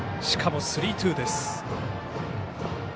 しかもスリーツーです。